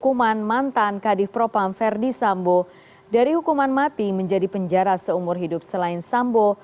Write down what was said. hukuman mantan kadif propam verdi sambo dari hukuman mati menjadi penjara seumur hidup selain sambo